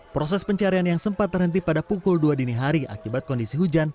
proses pencarian yang sempat terhenti pada pukul dua dini hari akibat kondisi hujan